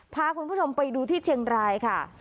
พาคุณผู้ชมไปดูที่เชียงรายค่ะ